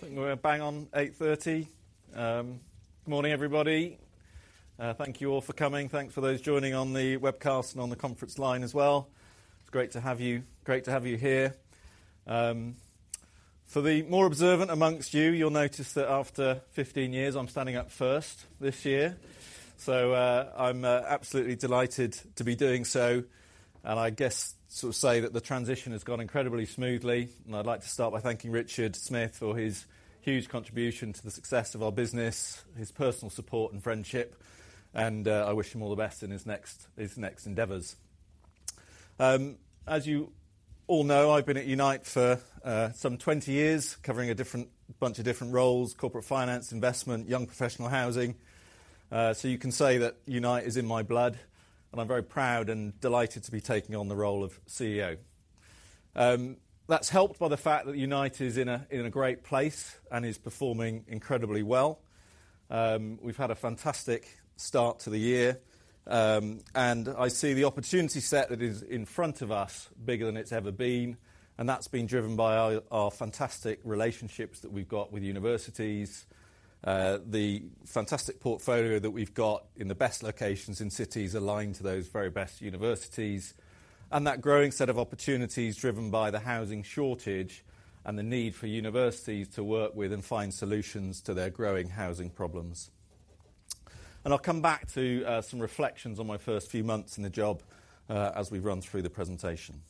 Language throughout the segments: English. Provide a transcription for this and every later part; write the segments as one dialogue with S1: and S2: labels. S1: Putting a bang on 8:30 A.M. Good morning, everybody. Thank you all for coming. Thanks for those joining on the webcast and on the conference line as well. It's great to have you great to have you here. For the more observant amongst you, you'll notice that after 15 years I'm standing up first this year. So, I'm absolutely delighted to be doing so. And I guess, sort of, say that the transition has gone incredibly smoothly. I'd like to start by thanking Richard Smith for his huge contribution to the success of our business, his personal support and friendship. I wish him all the best in his next his next endeavors. As you all know, I've been at Unite for some 20 years, covering a different bunch of different roles: corporate finance, investment, young professional housing. So you can say that Unite is in my blood, and I'm very proud and delighted to be taking on the role of CEO. That's helped by the fact that Unite is in a great place and is performing incredibly well. We've had a fantastic start to the year. I see the opportunity set that is in front of us bigger than it's ever been. That's been driven by our fantastic relationships that we've got with universities, the fantastic portfolio that we've got in the best locations in cities aligned to those very best universities, and that growing set of opportunities driven by the housing shortage and the need for universities to work with and find solutions to their growing housing problems. I'll come back to some reflections on my first few months in the job, as we run through the presentation.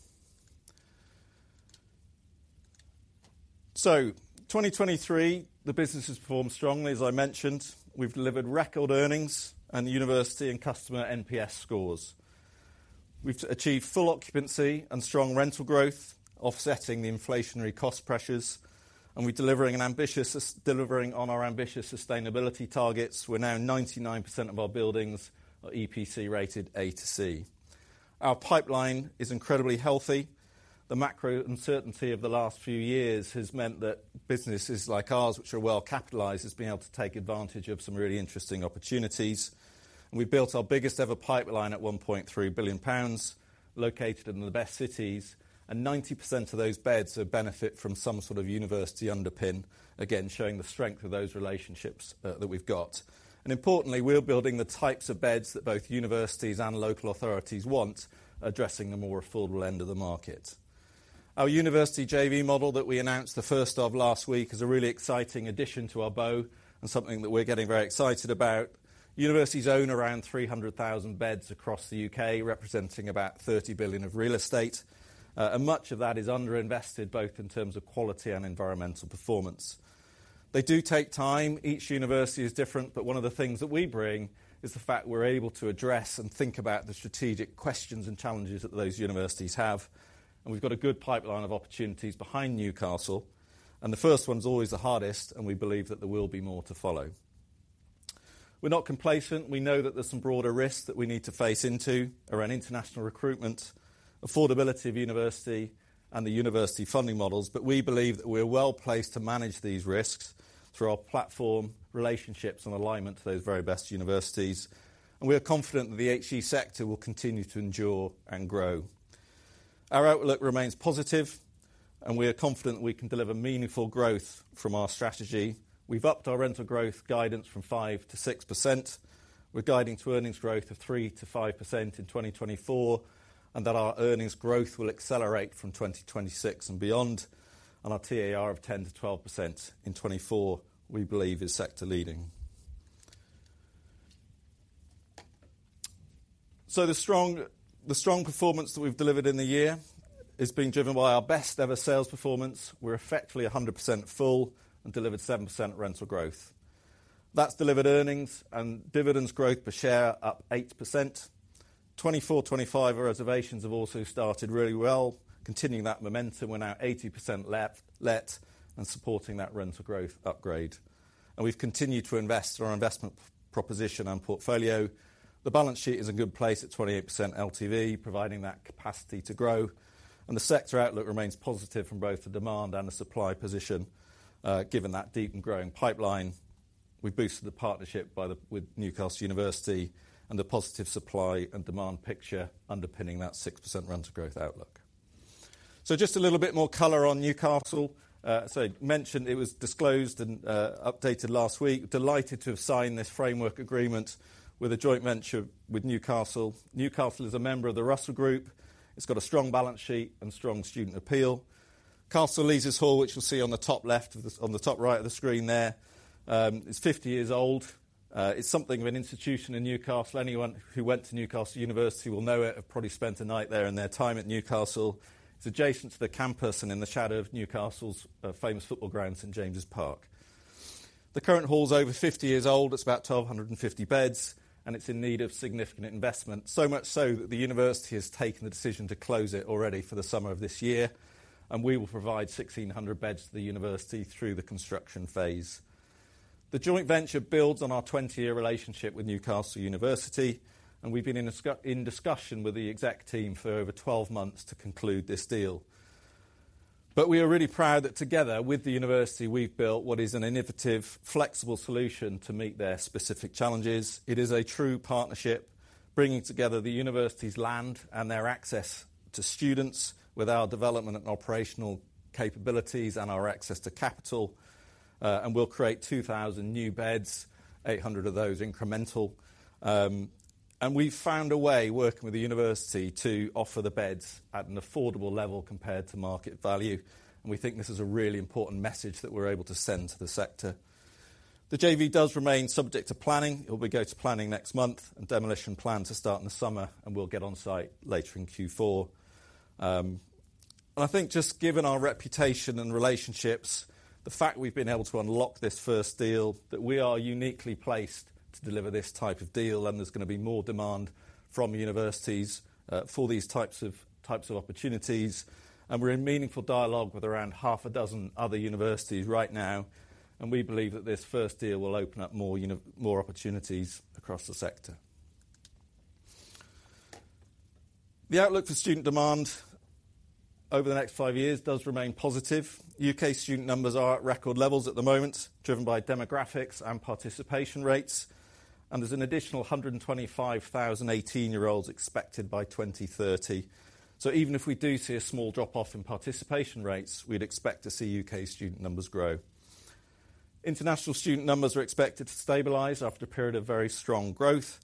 S1: So, 2023, the business has performed strongly. As I mentioned, we've delivered record earnings and university and customer NPS scores. We've achieved full occupancy and strong rental growth, offsetting the inflationary cost pressures. And we're delivering on our ambitious sustainability targets. We're now 99% of our buildings are EPC rated A to C. Our pipeline is incredibly healthy. The macro uncertainty of the last few years has meant that businesses like ours, which are well capitalized, have been able to take advantage of some really interesting opportunities. And we've built our biggest ever pipeline at 1.3 billion pounds, located in the best cities. And 90% of those beds benefit from some sort of university underpin, again, showing the strength of those relationships that we've got. And importantly, we're building the types of beds that both universities and local authorities want, addressing the more affordable end of the market. Our university JV model that we announced the first of last week is a really exciting addition to our bow and something that we're getting very excited about. Universities own around 300,000 beds across the UK, representing about 30 billion of real estate. And much of that is underinvested, both in terms of quality and environmental performance. They do take time. Each university is different. But one of the things that we bring is the fact we're able to address and think about the strategic questions and challenges that those universities have. And we've got a good pipeline of opportunities behind Newcastle. And the first one's always the hardest. And we believe that there will be more to follow. We're not complacent. We know that there's some broader risks that we need to face into around international recruitment, affordability of university, and the university funding models. But we believe that we're well placed to manage these risks through our platform, relationships, and alignment to those very best universities. We are confident that the HE sector will continue to endure and grow. Our outlook remains positive. We are confident that we can deliver meaningful growth from our strategy. We've upped our rental growth guidance from 5% to 6%. We're guiding to earnings growth of 3%-5% in 2024, and that our earnings growth will accelerate from 2026 and beyond. Our TAR of 10%-12% in 2024, we believe, is sector-leading. So the strong performance that we've delivered in the year is being driven by our best-ever sales performance. We're effectively 100% full and delivered 7% rental growth. That's delivered earnings and dividends growth per share up 8%. 2024/2025, our reservations have also started really well, continuing that momentum. We're now 80% let, supporting that rental growth upgrade. We've continued to invest our investment proposition and portfolio. The balance sheet is in good place at 28% LTV, providing that capacity to grow. The sector outlook remains positive from both the demand and the supply position, given that deep and growing pipeline. We've boosted the partnership with Newcastle University and the positive supply and demand picture underpinning that 6% rental growth outlook. So just a little bit more color on Newcastle. So mentioned it was disclosed and updated last week. Delighted to have signed this framework agreement with a joint venture with Newcastle. Newcastle is a member of the Russell Group. It's got a strong balance sheet and strong student appeal. Castle Leazes Hall, which you'll see on the top left of the on the top right of the screen there, is 50 years old. It's something of an institution in Newcastle. Anyone who went to Newcastle University will know it, have probably spent a night there in their time at Newcastle. It's adjacent to the campus and in the shadow of Newcastle's famous football grounds in St James' Park. The current hall's over 50 years old. It's about 1,250 beds. And it's in need of significant investment, so much so that the university has taken the decision to close it already for the summer of this year. And we will provide 1,600 beds to the university through the construction phase. The joint venture builds on our 20-year relationship with Newcastle University. And we've been in discussion with the exec team for over 12 months to conclude this deal. But we are really proud that together with the university, we've built what is an innovative, flexible solution to meet their specific challenges. It is a true partnership, bringing together the university's land and their access to students with our development and operational capabilities and our access to capital. And we'll create 2,000 new beds, 800 of those incremental. And we've found a way, working with the university, to offer the beds at an affordable level compared to market value. And we think this is a really important message that we're able to send to the sector. The JV does remain subject to planning. It'll go to planning next month and demolition planned to start in the summer. And we'll get on site later in Q4. I think just given our reputation and relationships, the fact we've been able to unlock this first deal, that we are uniquely placed to deliver this type of deal, and there's going to be more demand from universities, for these types of types of opportunities. We're in meaningful dialogue with around half a dozen other universities right now. We believe that this first deal will open up more uni more opportunities across the sector. The outlook for student demand over the next five years does remain positive. U.K. student numbers are at record levels at the moment, driven by demographics and participation rates. There's an additional 125,000 18-year-olds expected by 2030. Even if we do see a small drop-off in participation rates, we'd expect to see U.K. student numbers grow. International student numbers are expected to stabilize after a period of very strong growth.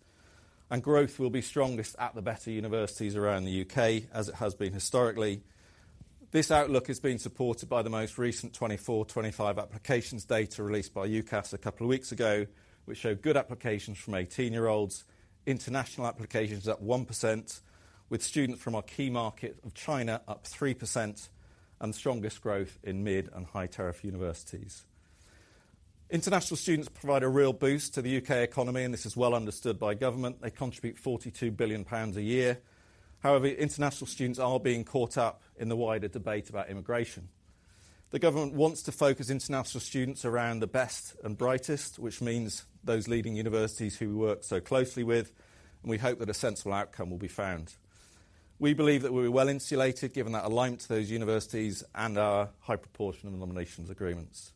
S1: Growth will be strongest at the better universities around the UK, as it has been historically. This outlook has been supported by the most recent 2024/2025 applications data released by UCAS a couple of weeks ago, which showed good applications from 18-year-olds, international applications at 1%, with students from our key market of China up 3%, and the strongest growth in mid and high-tariff universities. International students provide a real boost to the UK economy. This is well understood by government. They contribute 42 billion pounds a year. However, international students are being caught up in the wider debate about immigration. The government wants to focus international students around the best and brightest, which means those leading universities who we work so closely with. We hope that a sensible outcome will be found. We believe that we'll be well insulated, given that alignment to those universities and our high proportion of nominations agreements.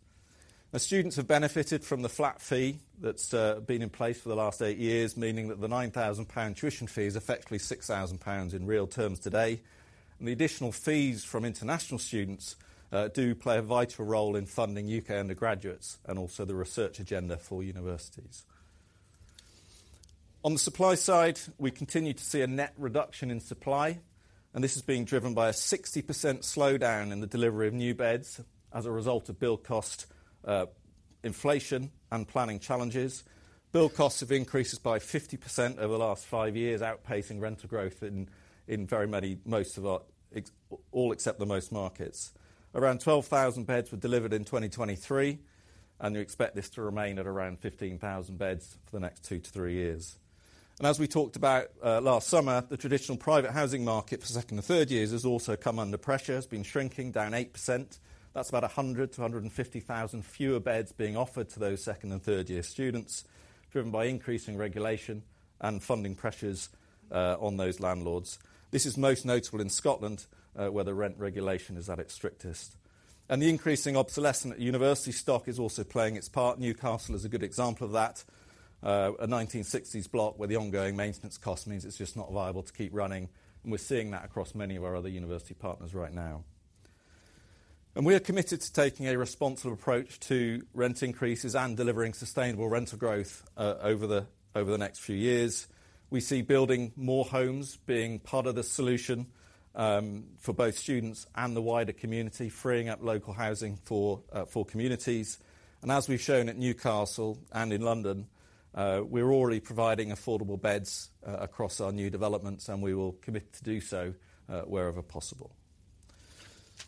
S1: Now, students have benefited from the flat fee that's been in place for the last 8 years, meaning that the 9,000 pound tuition fee is effectively 6,000 pounds in real terms today. The additional fees from international students do play a vital role in funding UK undergraduates and also the research agenda for universities. On the supply side, we continue to see a net reduction in supply. This is being driven by a 60% slowdown in the delivery of new beds as a result of build cost inflation and planning challenges. Build costs have increased by 50% over the last 5 years, outpacing rental growth in very many most of our except all except the most markets. Around 12,000 beds were delivered in 2023. You expect this to remain at around 15,000 beds for the next two to three years. As we talked about, last summer, the traditional private housing market for second and third years has also come under pressure. It's been shrinking down 8%. That's about 100,000-150,000 fewer beds being offered to those second and third-year students, driven by increasing regulation and funding pressures on those landlords. This is most notable in Scotland, where the rent regulation is at its strictest. The increasing obsolescence at university stock is also playing its part. Newcastle is a good example of that, a 1960s block where the ongoing maintenance cost means it's just not viable to keep running. We're seeing that across many of our other university partners right now. We are committed to taking a responsible approach to rent increases and delivering sustainable rental growth over the next few years. We see building more homes being part of the solution for both students and the wider community, freeing up local housing for communities. As we've shown at Newcastle and in London, we're already providing affordable beds across our new developments. We will commit to do so, wherever possible.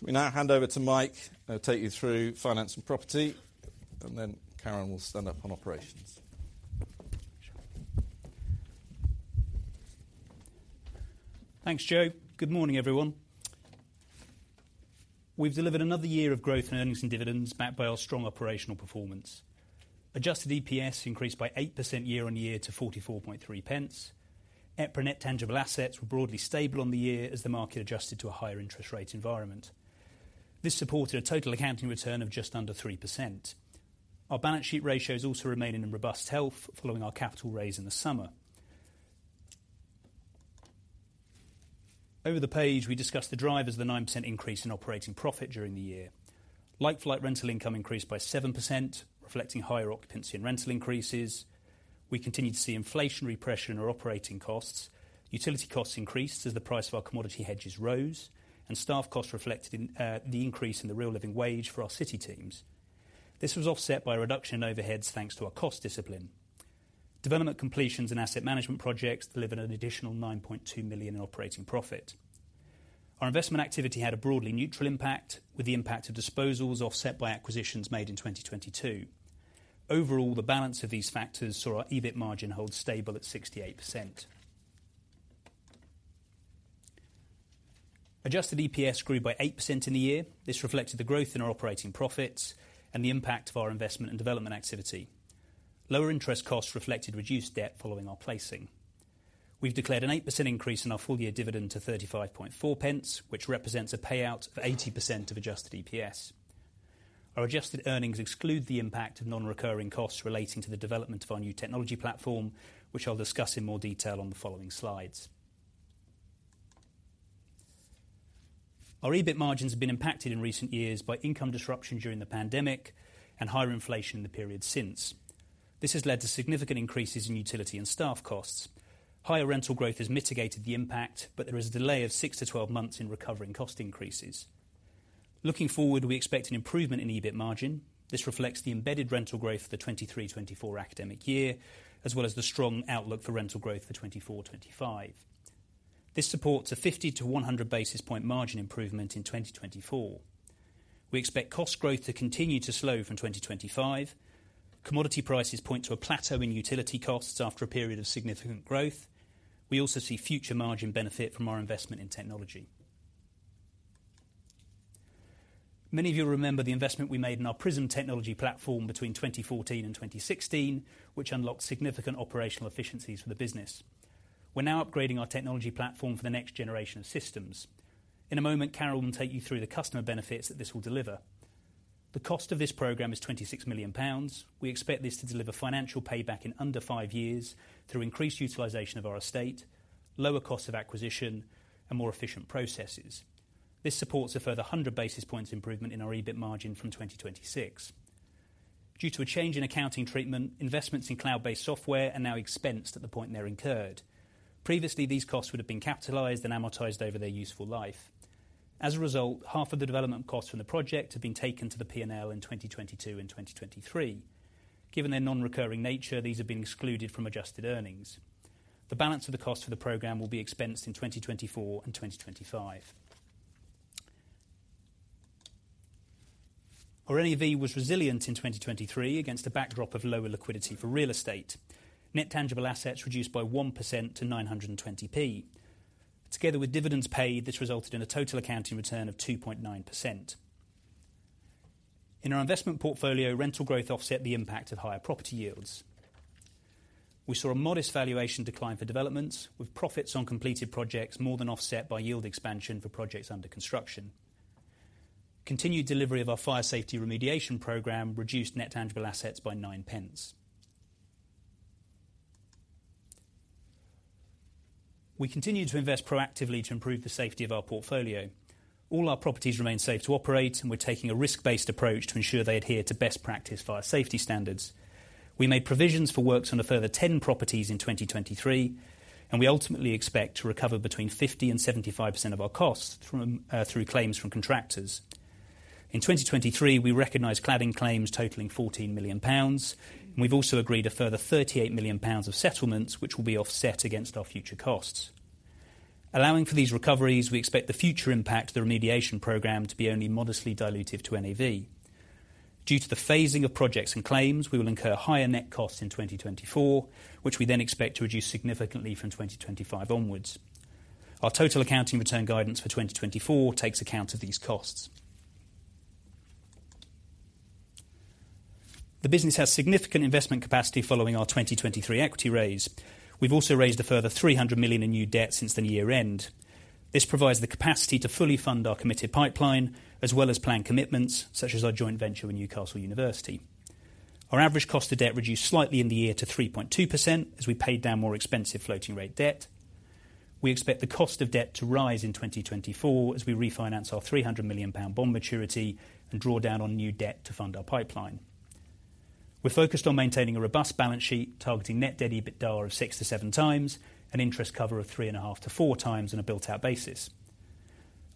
S1: Let me now hand over to Mike. I'll take you through finance and property. Then Karan will stand up on operations.
S2: Thanks, Joe. Good morning, everyone. We've delivered another year of growth in earnings and dividends backed by our strong operational performance. Adjusted EPS increased by 8% year-on-year to 44.3 pence. EPRA net tangible assets were broadly stable on the year as the market adjusted to a higher interest rate environment. This supported a total accounting return of just under 3%. Our balance sheet ratios also remain in robust health following our capital raise in the summer. Over the page, we discuss the drivers of the 9% increase in operating profit during the year. Like-for-like rental income increased by 7%, reflecting higher occupancy and rental increases. We continue to see inflationary pressure in our operating costs. Utility costs increased as the price of our commodity hedges rose, and staff costs reflected the increase in the real living wage for our city teams. This was offset by a reduction in overheads thanks to our cost discipline. Development completions and asset management projects delivered an additional 9.2 million in operating profit. Our investment activity had a broadly neutral impact, with the impact of disposals offset by acquisitions made in 2022. Overall, the balance of these factors saw our EBIT margin hold stable at 68%. Adjusted EPS grew by 8% in the year. This reflected the growth in our operating profits and the impact of our investment and development activity. Lower interest costs reflected reduced debt following our placing. We've declared an 8% increase in our full-year dividend to 0.354, which represents a payout of 80% of adjusted EPS. Our adjusted earnings exclude the impact of non-recurring costs relating to the development of our new technology platform, which I'll discuss in more detail on the following slides. Our EBIT margins have been impacted in recent years by income disruption during the pandemic and higher inflation in the period since. This has led to significant increases in utility and staff costs. Higher rental growth has mitigated the impact, but there is a delay of 6 months-12 months in recovering cost increases. Looking forward, we expect an improvement in EBIT margin. This reflects the embedded rental growth for the 2023/2024 academic year, as well as the strong outlook for rental growth for 2024/2025. This supports a 50 basis point-100 basis point margin improvement in 2024. We expect cost growth to continue to slow from 2025. Commodity prices point to a plateau in utility costs after a period of significant growth. We also see future margin benefit from our investment in technology. Many of you'll remember the investment we made in our PRISM technology platform between 2014 and 2016, which unlocked significant operational efficiencies for the business. We're now upgrading our technology platform for the next generation of systems. In a moment, Karan will take you through the customer benefits that this will deliver. The cost of this program is 26 million pounds. We expect this to deliver financial payback in under 5 years through increased utilization of our estate, lower costs of acquisition, and more efficient processes. This supports a further 100 basis points improvement in our EBIT margin from 2026. Due to a change in accounting treatment, investments in cloud-based software are now expensed at the point they're incurred. Previously, these costs would have been capitalized and amortized over their useful life. As a result, half of the development costs from the project have been taken to the P&L in 2022 and 2023. Given their non-recurring nature, these have been excluded from adjusted earnings. The balance of the costs for the program will be expensed in 2024 and 2025. Our NAV was resilient in 2023 against a backdrop of lower liquidity for real estate. Net tangible assets reduced by 1% to 920p. Together with dividends paid, this resulted in a total accounting return of 2.9%. In our investment portfolio, rental growth offset the impact of higher property yields. We saw a modest valuation decline for developments, with profits on completed projects more than offset by yield expansion for projects under construction. Continued delivery of our fire safety remediation program reduced net tangible assets by 9p. We continue to invest proactively to improve the safety of our portfolio. All our properties remain safe to operate. And we're taking a risk-based approach to ensure they adhere to best practice fire safety standards. We made provisions for works on a further 10 properties in 2023. We ultimately expect to recover between 50%-75% of our costs from, through claims from contractors. In 2023, we recognize cladding claims totaling 14 million pounds. We've also agreed a further 38 million pounds of settlements, which will be offset against our future costs. Allowing for these recoveries, we expect the future impact of the remediation program to be only modestly dilutive to NAV. Due to the phasing of projects and claims, we will incur higher net costs in 2024, which we then expect to reduce significantly from 2025 onward. Our total accounting return guidance for 2024 takes account of these costs. The business has significant investment capacity following our 2023 equity raise. We've also raised a further 300 million in new debt since the year-end. This provides the capacity to fully fund our committed pipeline, as well as plan commitments such as our joint venture with Newcastle University. Our average cost of debt reduced slightly in the year to 3.2% as we paid down more expensive floating-rate debt. We expect the cost of debt to rise in 2024 as we refinance our 300 million pound bond maturity and draw down on new debt to fund our pipeline. We're focused on maintaining a robust balance sheet, targeting net debt EBITDA of 6x-7x, an interest cover of 3.5x-4x, and a built-out basis.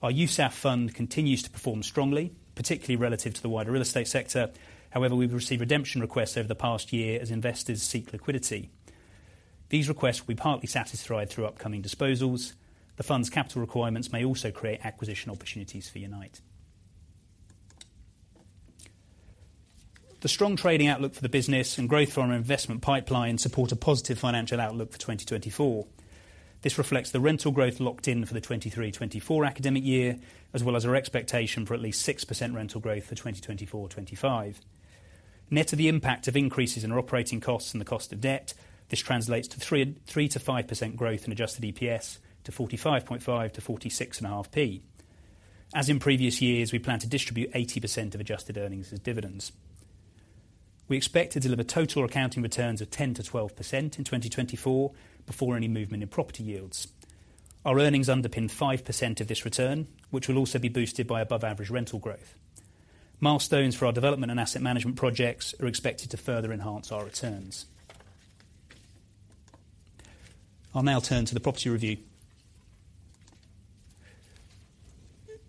S2: Our USAF fund continues to perform strongly, particularly relative to the wider real estate sector. However, we've received redemption requests over the past year as investors seek liquidity. These requests will be partly satisfied through upcoming disposals. The fund's capital requirements may also create acquisition opportunities for Unite. The strong trading outlook for the business and growth from our investment pipeline support a positive financial outlook for 2024. This reflects the rental growth locked in for the 2023/2024 academic year, as well as our expectation for at least 6% rental growth for 2024/2025. Net of the impact of increases in our operating costs and the cost of debt, this translates to 3%-5% growth in adjusted EPS to 45.5p-46.5p. As in previous years, we plan to distribute 80% of adjusted earnings as dividends. We expect to deliver total accounting returns of 10%-12% in 2024 before any movement in property yields. Our earnings underpin 5% of this return, which will also be boosted by above-average rental growth. Milestones for our development and asset management projects are expected to further enhance our returns. I'll now turn to the property review.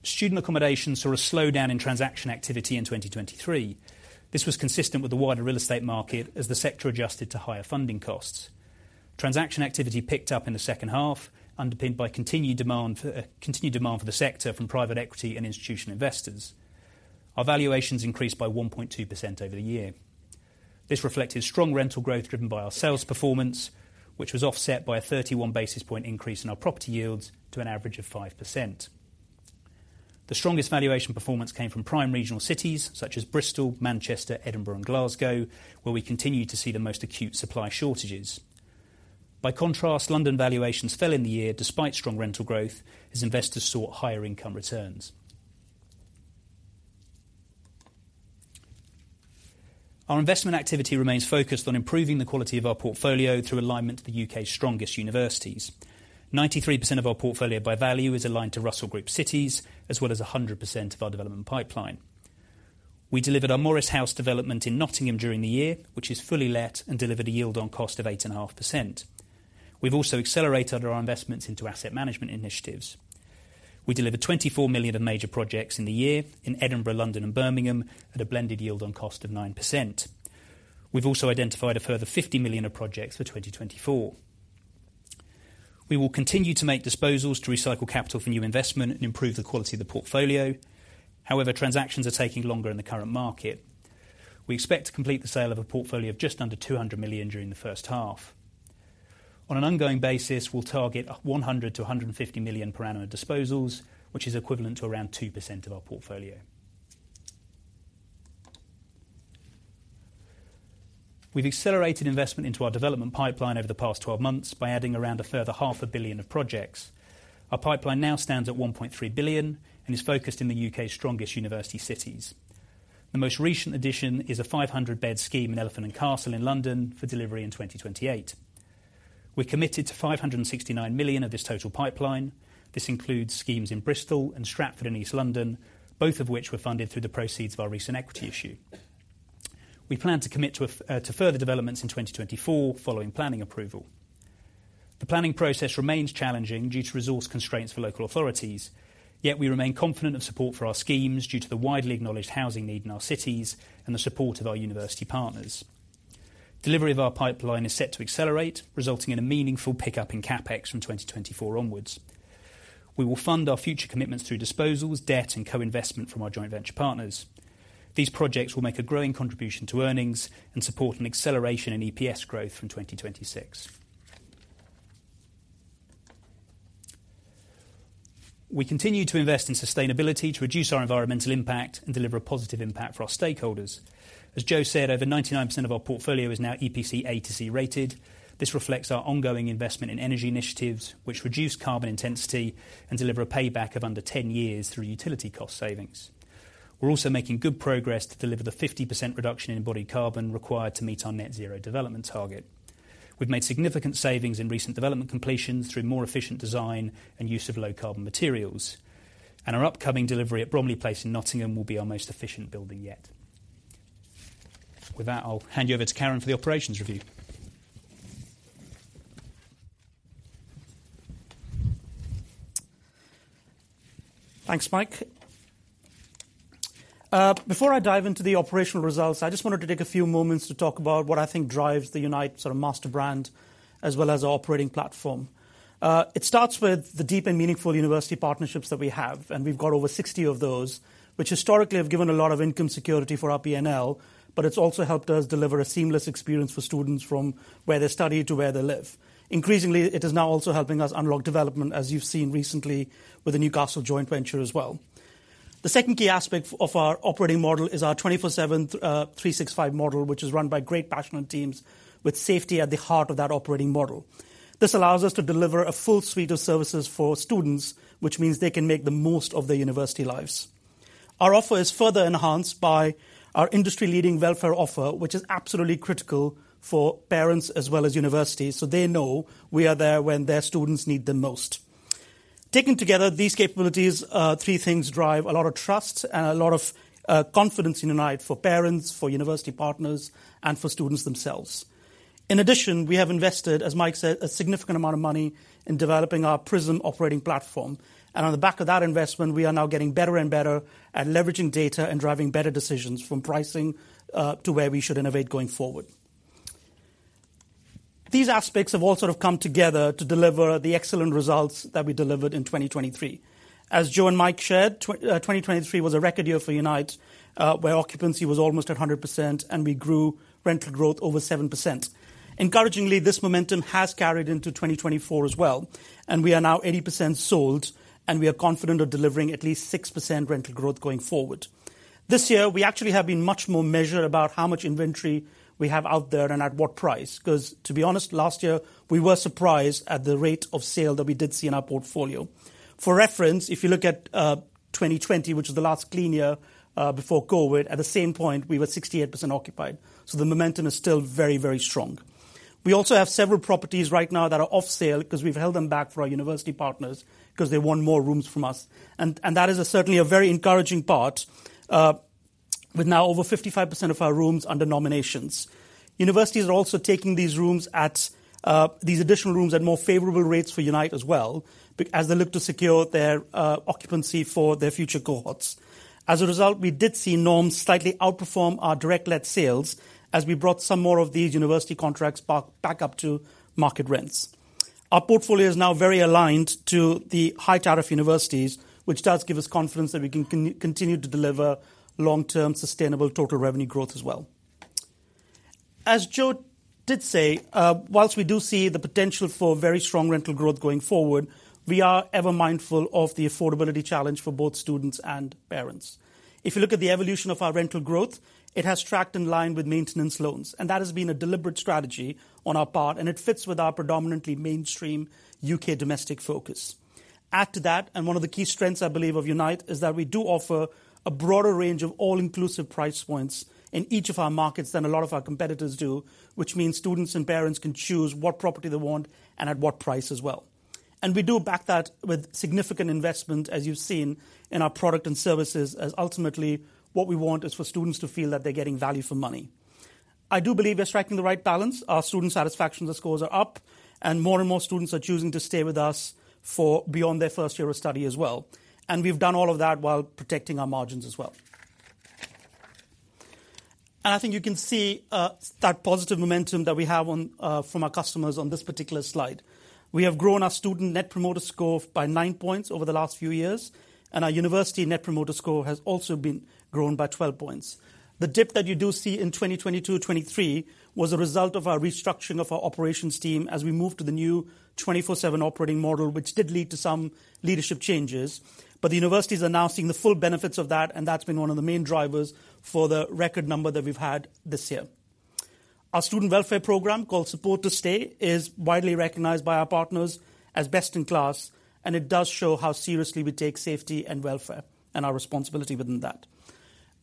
S2: Student accommodations saw a slowdown in transaction activity in 2023. This was consistent with the wider real estate market as the sector adjusted to higher funding costs. Transaction activity picked up in the second half, underpinned by continued demand for, continued demand for the sector from private equity and institutional investors. Our valuations increased by 1.2% over the year. This reflected strong rental growth driven by our sales performance, which was offset by a 31 basis point increase in our property yields to an average of 5%. The strongest valuation performance came from prime regional cities such as Bristol, Manchester, Edinburgh, and Glasgow, where we continue to see the most acute supply shortages. By contrast, London valuations fell in the year despite strong rental growth as investors sought higher income returns. Our investment activity remains focused on improving the quality of our portfolio through alignment to the U.K.'s strongest universities. 93% of our portfolio by value is aligned to Russell Group cities, as well as 100% of our development pipeline. We delivered our Morriss House development in Nottingham during the year, which is fully let and delivered a yield on cost of 8.5%. We've also accelerated our investments into asset management initiatives. We delivered 24 million of major projects in the year in Edinburgh, London, and Birmingham at a blended yield on cost of 9%. We've also identified a further 50 million of projects for 2024. We will continue to make disposals to recycle capital for new investment and improve the quality of the portfolio. However, transactions are taking longer in the current market. We expect to complete the sale of a portfolio of just under 200 million during the first half. On an ongoing basis, we'll target 100 million-150 million per annum of disposals, which is equivalent to around 2% of our portfolio. We've accelerated investment into our development pipeline over the past 12 months by adding around a further 500 million of projects. Our pipeline now stands at 1.3 billion and is focused in the UK's strongest university cities. The most recent addition is a 500-bed scheme in Elephant and Castle in London for delivery in 2028. We're committed to 569 million of this total pipeline. This includes schemes in Bristol and Stratford and East London, both of which were funded through the proceeds of our recent equity issue. We plan to commit to further developments in 2024 following planning approval. The planning process remains challenging due to resource constraints for local authorities. Yet we remain confident of support for our schemes due to the widely acknowledged housing need in our cities and the support of our university partners. Delivery of our pipeline is set to accelerate, resulting in a meaningful pickup in CapEx from 2024 onwards. We will fund our future commitments through disposals, debt, and co-investment from our joint venture partners. These projects will make a growing contribution to earnings and support an acceleration in EPS growth from 2026. We continue to invest in sustainability to reduce our environmental impact and deliver a positive impact for our stakeholders. As Joe said, over 99% of our portfolio is now EPC A to C rated. This reflects our ongoing investment in energy initiatives, which reduce carbon intensity and deliver a payback of under 10 years through utility cost savings. We're also making good progress to deliver the 50% reduction in embodied carbon required to meet our net-zero development target. We've made significant savings in recent development completions through more efficient design and use of low-carbon materials. And our upcoming delivery at Bromley Place in Nottingham will be our most efficient building yet. With that, I'll hand you over to Karan for the operations review.
S3: Thanks, Mike. Before I dive into the operational results, I just wanted to take a few moments to talk about what I think drives the Unite sort of master brand, as well as our operating platform. It starts with the deep and meaningful university partnerships that we have. And we've got over 60 of those, which historically have given a lot of income security for our P&L. But it's also helped us deliver a seamless experience for students from where they study to where they live. Increasingly, it is now also helping us unlock development, as you've seen recently with the Newcastle joint venture as well. The second key aspect of our operating model is our 24/7, 365 model, which is run by great passionate teams with safety at the heart of that operating model. This allows us to deliver a full suite of services for students, which means they can make the most of their university lives. Our offer is further enhanced by our industry-leading welfare offer, which is absolutely critical for parents as well as universities so they know we are there when their students need them most. Taken together, these capabilities, three things drive a lot of trust and a lot, confidence in Unite for parents, for university partners, and for students themselves. In addition, we have invested, as Mike said, a significant amount of money in developing our PRISM operating platform. On the back of that investment, we are now getting better and better at leveraging data and driving better decisions from pricing, to where we should innovate going forward. These aspects have all sort of come together to deliver the excellent results that we delivered in 2023. As Joe and Mike shared, 2023 was a record year for Unite, where occupancy was almost at 100% and we grew rental growth over 7%. Encouragingly, this momentum has carried into 2024 as well. We are now 80% sold. We are confident of delivering at least 6% rental growth going forward. This year, we actually have been much more measured about how much inventory we have out there and at what price. 'Cause, to be honest, last year, we were surprised at the rate of sale that we did see in our portfolio. For reference, if you look at 2020, which is the last clean year before COVID, at the same point, we were 68% occupied. So the momentum is still very, very strong. We also have several properties right now that are off sale 'cause we've held them back for our university partners 'cause they want more rooms from us. And that is certainly a very encouraging part, with now over 55% of our rooms under nominations. Universities are also taking these rooms at these additional rooms at more favorable rates for Unite as well, be as they look to secure their occupancy for their future cohorts. As a result, we did see noms slightly outperform our direct-let sales as we brought some more of these university contracts back up to market rents. Our portfolio is now very aligned to the high tariff universities, which does give us confidence that we can continue to deliver long-term sustainable total revenue growth as well. As Joe did say, while we do see the potential for very strong rental growth going forward, we are ever mindful of the affordability challenge for both students and parents. If you look at the evolution of our rental growth, it has tracked in line with maintenance loans. That has been a deliberate strategy on our part. It fits with our predominantly mainstream UK domestic focus. Add to that, and one of the key strengths, I believe, of Unite is that we do offer a broader range of all-inclusive price points in each of our markets than a lot of our competitors do, which means students and parents can choose what property they want and at what price as well. And we do back that with significant investment, as you've seen, in our product and services, as ultimately what we want is for students to feel that they're getting value for money. I do believe we're striking the right balance. Our student satisfaction with our scores are up. And more and more students are choosing to stay with us for beyond their first year of study as well. And we've done all of that while protecting our margins as well. I think you can see that positive momentum that we have on from our customers on this particular slide. We have grown our student Net Promoter Score by 9 points over the last few years. Our university Net Promoter Score has also been grown by 12 points. The dip that you do see in 2022/2023 was a result of our restructuring of our operations team as we moved to the new 24/7 operating model, which did lead to some leadership changes. But the universities are now seeing the full benefits of that. That's been one of the main drivers for the record number that we've had this year. Our student welfare program called Support to Stay is widely recognized by our partners as best in class. It does show how seriously we take safety and welfare and our responsibility within that.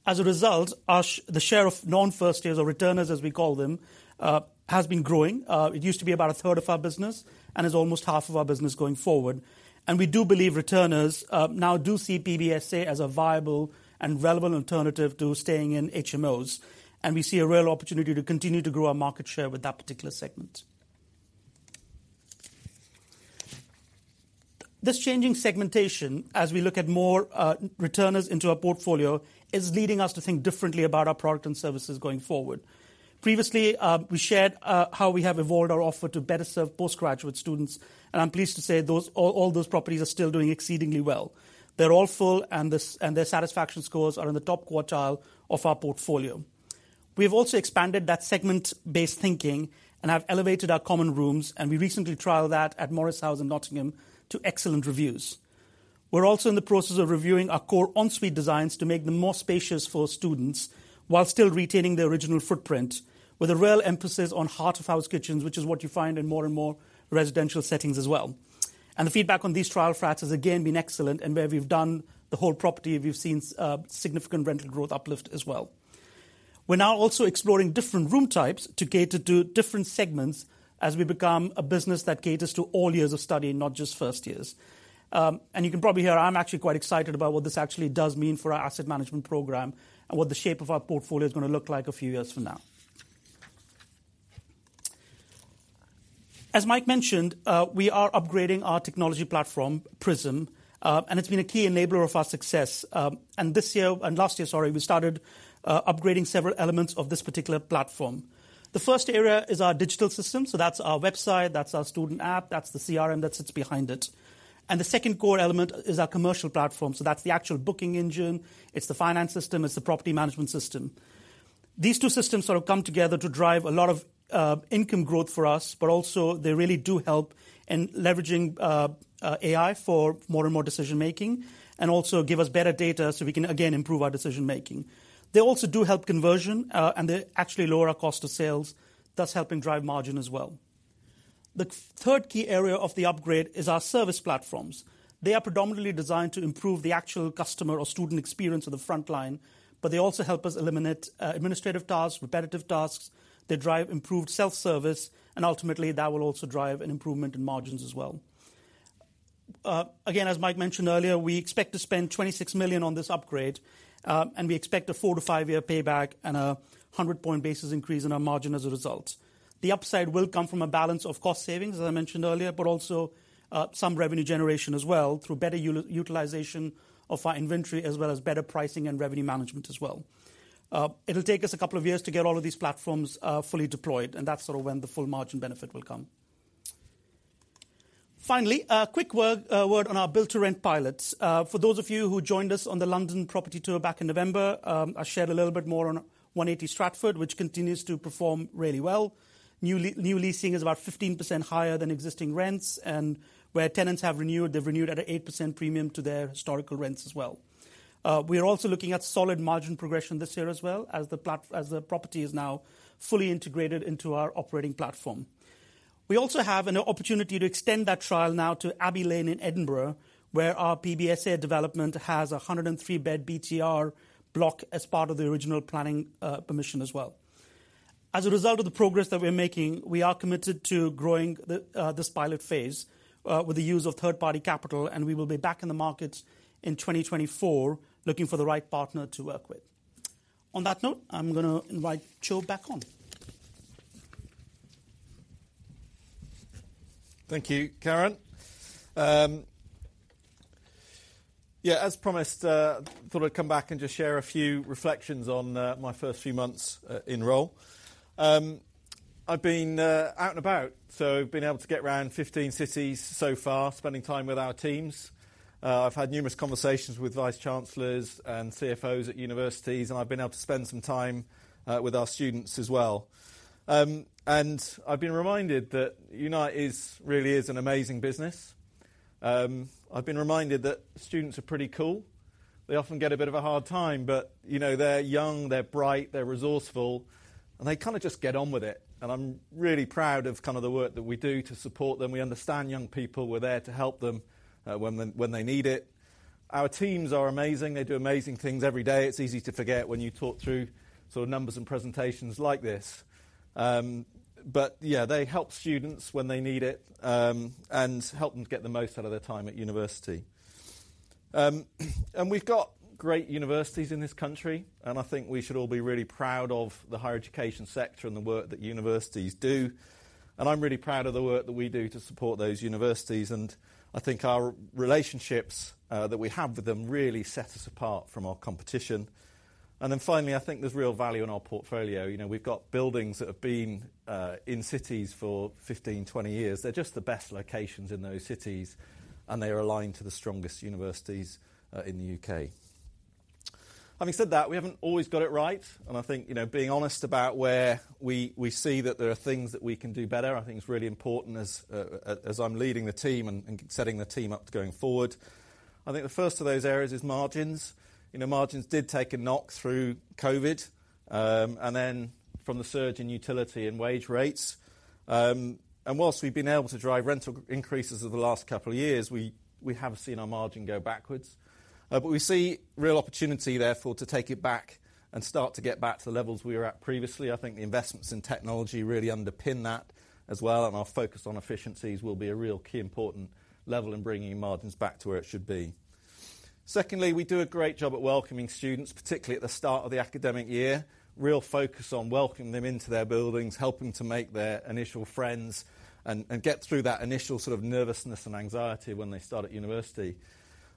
S3: As a result, our share of non-first years, or returners, as we call them, has been growing. It used to be about a third of our business and is almost half of our business going forward. We do believe returners now do see PBSA as a viable and relevant alternative to staying in HMOs. We see a real opportunity to continue to grow our market share with that particular segment. This changing segmentation, as we look at more returners into our portfolio, is leading us to think differently about our product and services going forward. Previously, we shared how we have evolved our offer to better serve postgraduate students. I'm pleased to say all those properties are still doing exceedingly well. They're all full. Their satisfaction scores are in the top quartile of our portfolio. We've also expanded that segment-based thinking and have elevated our common rooms. We recently trialed that at Morriss House in Nottingham to excellent reviews. We're also in the process of reviewing our core en-suite designs to make them more spacious for students while still retaining their original footprint, with a real emphasis on heart-of-house kitchens, which is what you find in more and more residential settings as well. The feedback on these trial flats has, again, been excellent. Where we've done the whole property, we've seen significant rental growth uplift as well. We're now also exploring different room types to cater to different segments as we become a business that caters to all years of study and not just first years. You can probably hear I'm actually quite excited about what this actually does mean for our asset management program and what the shape of our portfolio is going to look like a few years from now. As Mike mentioned, we are upgrading our technology platform, PRISM, and it's been a key enabler of our success. This year and last year, sorry, we started upgrading several elements of this particular platform. The first area is our digital system. So that's our website. That's our student app. That's the CRM that sits behind it. And the second core element is our commercial platform. So that's the actual booking engine. It's the finance system. It's the property management system. These two systems sort of come together to drive a lot of income growth for us. But also, they really do help in leveraging AI for more and more decision-making and also give us better data so we can, again, improve our decision-making. They also do help conversion, and they actually lower our cost of sales, thus helping drive margin as well. The third key area of the upgrade is our service platforms. They are predominantly designed to improve the actual customer or student experience at the front line. But they also help us eliminate administrative tasks, repetitive tasks. They drive improved self-service. And ultimately, that will also drive an improvement in margins as well. Again, as Mike mentioned earlier, we expect to spend 26 million on this upgrade, and we expect a 4-year to 5-year payback and a 100-point basis increase in our margin as a result. The upside will come from a balance of cost savings, as I mentioned earlier, but also some revenue generation as well through better utilization of our inventory as well as better pricing and revenue management as well. It'll take us a couple of years to get all of these platforms fully deployed. And that's sort of when the full margin benefit will come. Finally, a quick word on our Build to Rent pilots. For those of you who joined us on the London property tour back in November, I shared a little bit more on 180 Stratford, which continues to perform really well. New leasing is about 15% higher than existing rents. And where tenants have renewed, they've renewed at an 8% premium to their historical rents as well. We are also looking at solid margin progression this year as well as the platform as the property is now fully integrated into our operating platform. We also have an opportunity to extend that trial now to Abbey Lane in Edinburgh, where our PBSA development has a 103-bed BTR block as part of the original planning permission as well. As a result of the progress that we're making, we are committed to growing the, this pilot phase, with the use of third-party capital. And we will be back in the markets in 2024 looking for the right partner to work with. On that note, I'm going to invite Joe back on.
S1: Thank you, Karan. Yeah, as promised, thought I'd come back and just share a few reflections on, my first few months, in role. I've been, out and about. So I've been able to get around 15 cities so far, spending time with our teams. I've had numerous conversations with vice chancellors and CFOs at universities. I've been able to spend some time with our students as well. I've been reminded that Unite really is an amazing business. I've been reminded that students are pretty cool. They often get a bit of a hard time. But, you know, they're young. They're bright. They're resourceful. They kind of just get on with it. I'm really proud of kind of the work that we do to support them. We understand young people. We're there to help them, when they when they need it. Our teams are amazing. They do amazing things every day. It's easy to forget when you talk through sort of numbers and presentations like this. But, yeah, they help students when they need it and help them get the most out of their time at university. And we've got great universities in this country. And I think we should all be really proud of the higher education sector and the work that universities do. And I'm really proud of the work that we do to support those universities. And I think our relationships that we have with them really set us apart from our competition. And then finally, I think there's real value in our portfolio. You know, we've got buildings that have been in cities for 15 years, 20 years. They're just the best locations in those cities. And they are aligned to the strongest universities in the U.K. Having said that, we haven't always got it right. I think, you know, being honest about where we see that there are things that we can do better, I think is really important as I'm leading the team and setting the team up going forward. I think the first of those areas is margins. You know, margins did take a knock through COVID, and then from the surge in utility and wage rates. And whilst we've been able to drive rental increases over the last couple of years, we have seen our margin go backwards. But we see real opportunity, therefore, to take it back and start to get back to the levels we were at previously. I think the investments in technology really underpin that as well. And our focus on efficiencies will be a real key important level in bringing margins back to where it should be. Secondly, we do a great job at welcoming students, particularly at the start of the academic year. Real focus on welcoming them into their buildings, helping to make their initial friends, and get through that initial sort of nervousness and anxiety when they start at university.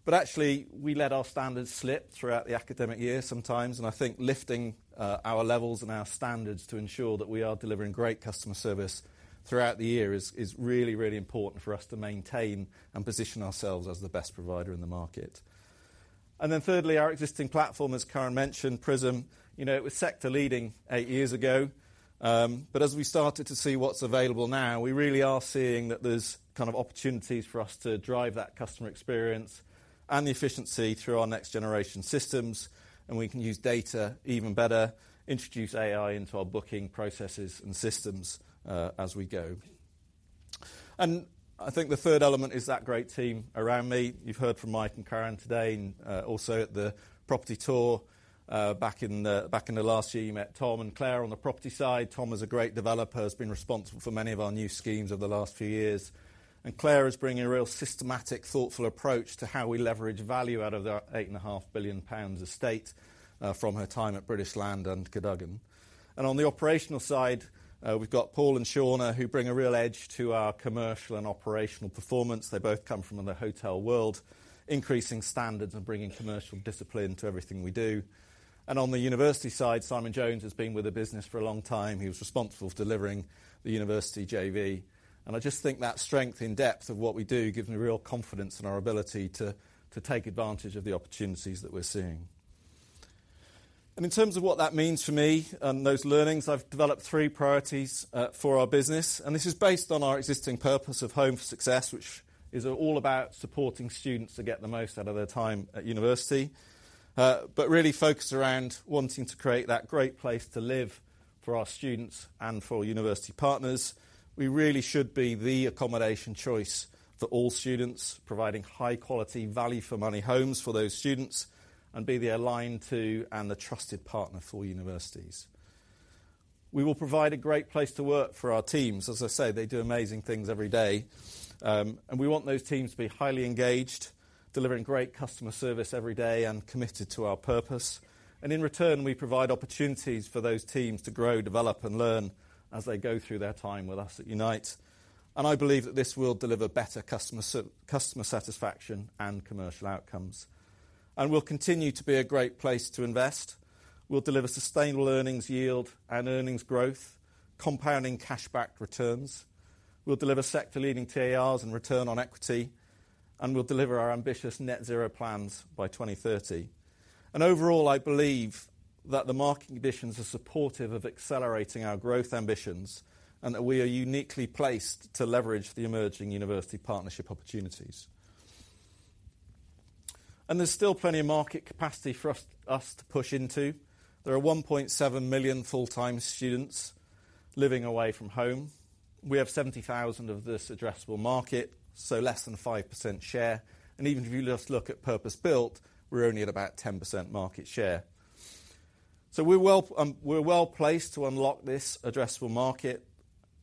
S1: But actually, we let our standards slip throughout the academic year sometimes. And I think lifting our levels and our standards to ensure that we are delivering great customer service throughout the year is really, really important for us to maintain and position ourselves as the best provider in the market. And then thirdly, our existing platform, as Karan mentioned, PRISM. You know, it was sector-leading eight years ago. But as we started to see what's available now, we really are seeing that there's kind of opportunities for us to drive that customer experience and the efficiency through our next-generation systems. And we can use data even better, introduce AI into our booking processes and systems, as we go. And I think the third element is that great team around me. You've heard from Mike and Karan today and, also at the property tour, back in the last year, you met Tom and Claire on the property side. Tom is a great developer. He's been responsible for many of our new schemes over the last few years. And Claire is bringing a real systematic, thoughtful approach to how we leverage value out of the 8.5 billion pounds estate, from her time at British Land and Cadogan. And on the operational side, we've got Paul and Shauna, who bring a real edge to our commercial and operational performance. They both come from the hotel world, increasing standards and bringing commercial discipline to everything we do. On the university side, Simon Jones has been with the business for a long time. He was responsible for delivering the University JV. I just think that strength in depth of what we do gives me real confidence in our ability to take advantage of the opportunities that we're seeing. In terms of what that means for me and those learnings, I've developed three priorities for our business. This is based on our existing purpose of Home for Success, which is all about supporting students to get the most out of their time at university, but really focused around wanting to create that great place to live for our students and for university partners. We really should be the accommodation choice for all students, providing high-quality, value-for-money homes for those students, and be the aligned to and the trusted partner for universities. We will provide a great place to work for our teams. As I say, they do amazing things every day. We want those teams to be highly engaged, delivering great customer service every day, and committed to our purpose. In return, we provide opportunities for those teams to grow, develop, and learn as they go through their time with us at Unite. I believe that this will deliver better customer satisfaction and commercial outcomes. We'll continue to be a great place to invest. We'll deliver sustainable earnings yield and earnings growth, compounding cash-backed returns. We'll deliver sector-leading TARs and return on equity. We'll deliver our ambitious net-zero plans by 2030. Overall, I believe that the market conditions are supportive of accelerating our growth ambitions and that we are uniquely placed to leverage the emerging university partnership opportunities. There's still plenty of market capacity for us to push into. There are 1.7 million full-time students living away from home. We have 70,000 of this addressable market, so less than 5% share. Even if you just look at purpose-built, we're only at about 10% market share. We're well placed to unlock this addressable market.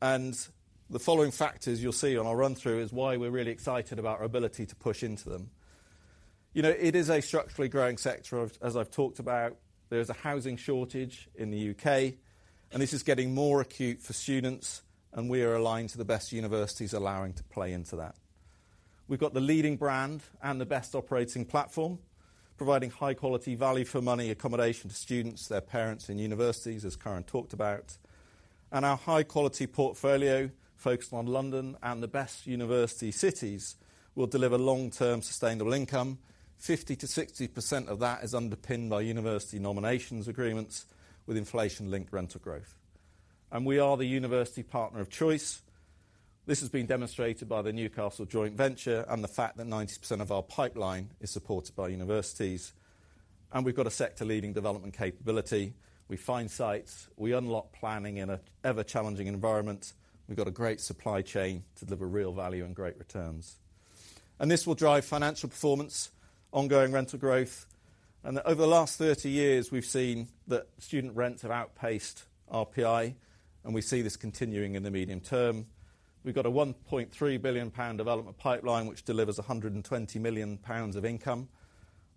S1: The following factors you'll see on our run-through is why we're really excited about our ability to push into them. You know, it is a structurally growing sector. As I've talked about, there is a housing shortage in the U.K. This is getting more acute for students. We are aligned to the best universities allowing to play into that. We've got the leading brand and the best operating platform, providing high-quality, value-for-money accommodation to students, their parents, and universities, as Karan talked about. Our high-quality portfolio focused on London and the best university cities will deliver long-term sustainable income. 50%-60% of that is underpinned by university nominations agreements with inflation-linked rental growth. We are the university partner of choice. This has been demonstrated by the Newcastle joint venture and the fact that 90% of our pipeline is supported by universities. We've got a sector-leading development capability. We find sites. We unlock planning in an ever-challenging environment. We've got a great supply chain to deliver real value and great returns. This will drive financial performance, ongoing rental growth. Over the last 30 years, we've seen that student rents have outpaced RPI. We see this continuing in the medium term. We've got a 1.3 billion pound development pipeline, which delivers 120 million pounds of income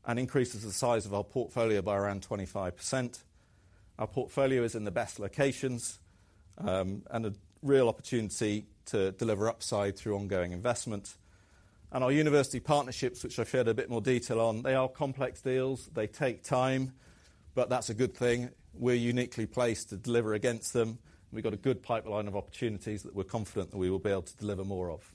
S1: and increases the size of our portfolio by around 25%. Our portfolio is in the best locations, and a real opportunity to deliver upside through ongoing investment. Our university partnerships, which I shared a bit more detail on, are complex deals. They take time. But that's a good thing. We're uniquely placed to deliver against them. We've got a good pipeline of opportunities that we're confident that we will be able to deliver more of.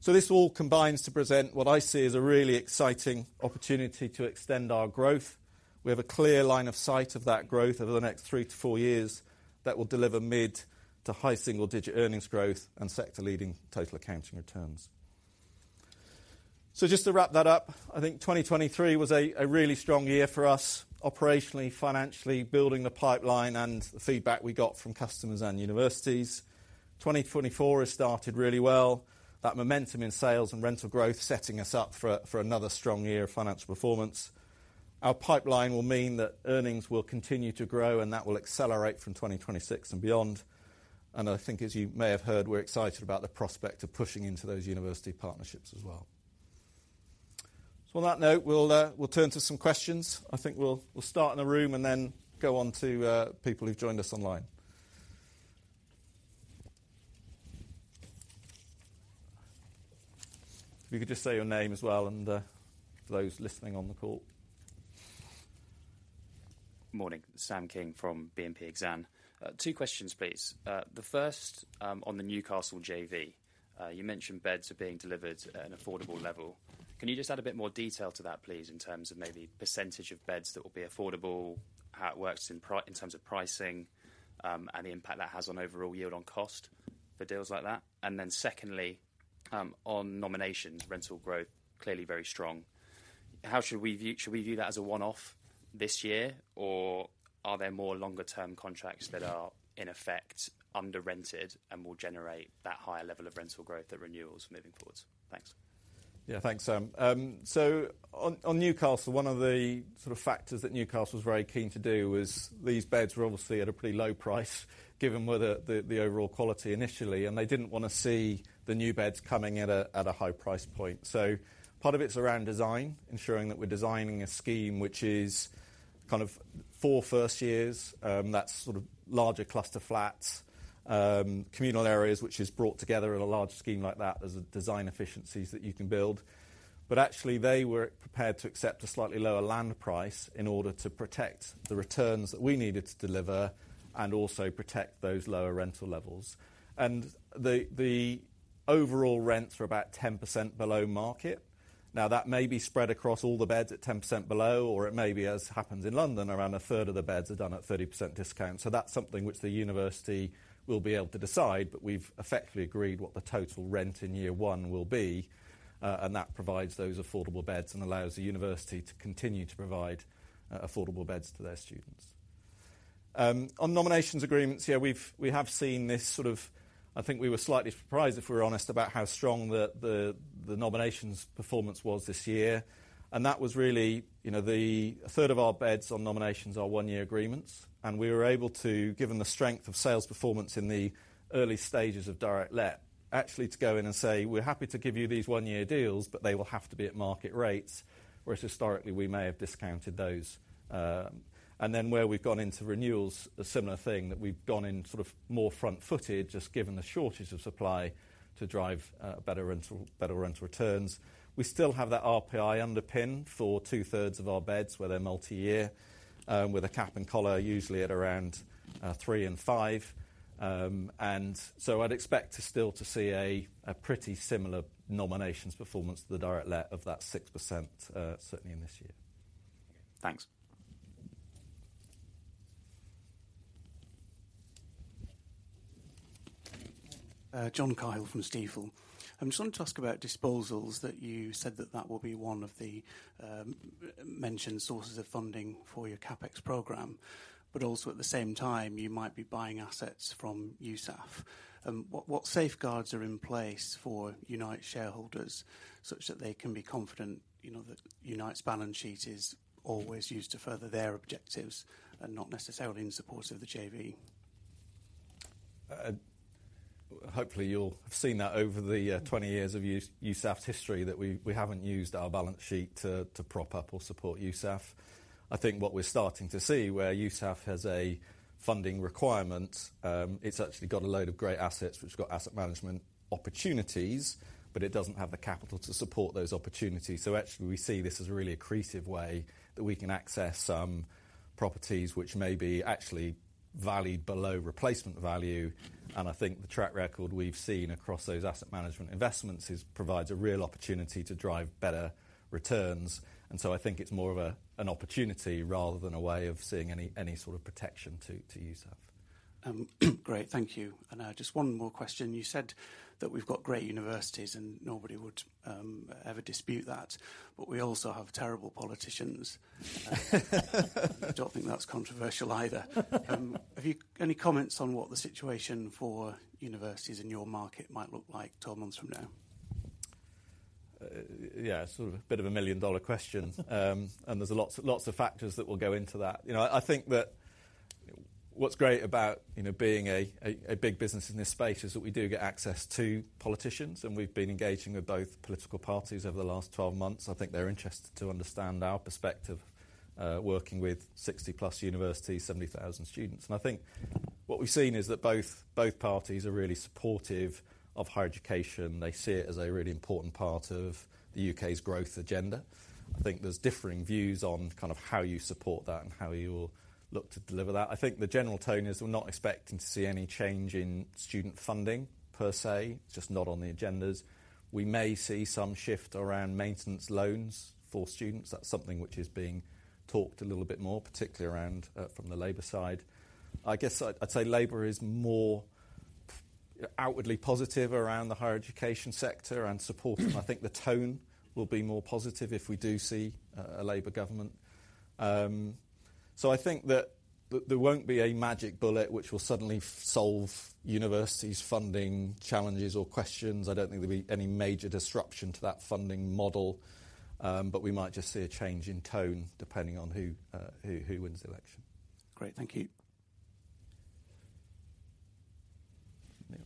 S1: So this all combines to present what I see as a really exciting opportunity to extend our growth. We have a clear line of sight of that growth over the next 3 years to 4 years that will deliver mid- to high single-digit earnings growth and sector-leading total accounting returns. So just to wrap that up, I think 2023 was a really strong year for us operationally, financially, building the pipeline and the feedback we got from customers and universities. 2024 has started really well, that momentum in sales and rental growth setting us up for another strong year of financial performance. Our pipeline will mean that earnings will continue to grow. That will accelerate from 2026 and beyond. I think, as you may have heard, we're excited about the prospect of pushing into those university partnerships as well. So on that note, we'll turn to some questions. I think we'll start in the room and then go on to people who've joined us online. If you could just say your name as well and, for those listening on the call.
S4: Morning. Sam King from BNP Exane. Two questions, please. The first, on the Newcastle JV. You mentioned beds are being delivered at an affordable level. Can you just add a bit more detail to that, please, in terms of maybe percentage of beds that will be affordable, how it works in practice in terms of pricing, and the impact that has on overall yield on cost for deals like that? And then secondly, on nominations, rental growth clearly very strong. How should we view that as a one-off this year? Or are there more longer-term contracts that are, in effect, under-rented and will generate that higher level of rental growth at renewals moving forwards? Thanks.
S1: Yeah, thanks, Sam. So on Newcastle, one of the sort of factors that Newcastle was very keen to do was these beds were obviously at a pretty low price given what the overall quality initially. And they didn't want to see the new beds coming at a high price point. So part of it's around design, ensuring that we're designing a scheme which is kind of for first years. That's sort of larger cluster flats, communal areas, which is brought together in a large scheme like that. There's design efficiencies that you can build. But actually, they were prepared to accept a slightly lower land price in order to protect the returns that we needed to deliver and also protect those lower rental levels. And the overall rents were about 10% below market. Now, that may be spread across all the beds at 10% below. Or it may be, as happens in London, around a third of the beds are done at 30% discount. So that's something which the university will be able to decide. But we've effectively agreed what the total rent in year one will be. That provides those affordable beds and allows the university to continue to provide affordable beds to their students. On nominations agreements, yeah, we have seen this sort of. I think we were slightly surprised, if we're honest, about how strong the nominations performance was this year. And that was really, you know, a third of our beds on nominations are one-year agreements. And we were able to, given the strength of sales performance in the early stages of direct let, actually to go in and say, "We're happy to give you these one-year deals. But they will have to be at market rates," whereas historically, we may have discounted those. And then where we've gone into renewals, a similar thing, that we've gone in sort of more front-footed just given the shortage of supply to drive better rental returns. We still have that RPI underpin for two-thirds of our beds where they're multi-year, with a cap and collar usually at around 3% and 5%. So I'd expect to still see a pretty similar nominations performance to the direct let of that 6%, certainly in this year.
S4: Thanks.
S5: John Cahill from Stifel. I'm just wanting to ask about disposals that you said that will be one of the mentioned sources of funding for your CapEx program. But also at the same time, you might be buying assets from USAF. What safeguards are in place for Unite shareholders such that they can be confident, you know, that Unite's balance sheet is always used to further their objectives and not necessarily in support of the JV?
S2: Hopefully, you'll have seen that over the 20 years of USAF's history that we haven't used our balance sheet to prop up or support USAF. I think what we're starting to see where USAF has a funding requirement, it's actually got a load of great assets which have got asset management opportunities. But it doesn't have the capital to support those opportunities. So actually, we see this as a really accretive way that we can access some properties which may be actually valued below replacement value. And I think the track record we've seen across those asset management investments provides a real opportunity to drive better returns. And so I think it's more of an opportunity rather than a way of seeing any sort of protection to USAF.
S5: Great. Thank you. And just one more question. You said that we've got great universities.
S1: Nobody would ever dispute that. But we also have terrible politicians. I don't think that's controversial either. Have you any comments on what the situation for universities in your market might look like 12 months from now?
S2: Yeah, sort of a bit of a million-dollar question. And there's lots of factors that will go into that. You know, I think that what's great about, you know, being a big business in this space is that we do get access to politicians. And we've been engaging with both political parties over the last 12 months. I think they're interested to understand our perspective, working with 60-plus universities, 70,000 students. And I think what we've seen is that both parties are really supportive of higher education. They see it as a really important part of the U.K.'s growth agenda. I think there's differing views on kind of how you support that and how you will look to deliver that. I think the general tone is we're not expecting to see any change in student funding, per se. It's just not on the agendas. We may see some shift around maintenance loans for students. That's something which is being talked a little bit more, particularly around, from the Labour side. I guess I'd say Labour is more outwardly positive around the higher education sector and supportive. And I think the tone will be more positive if we do see a Labour government. So I think that there won't be a magic bullet which will suddenly solve universities' funding challenges or questions. I don't think there'll be any major disruption to that funding model. But we might just see a change in tone depending on who, who who wins the election.
S5: Great. Thank you.
S2: Yeah.